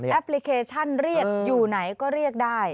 พลิเคชันเรียกอยู่ไหนก็เรียกได้